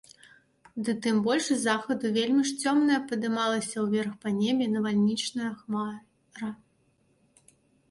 Ды тым больш з захаду вельмі ж цёмная падымалася ўверх па небе навальнічная хмара.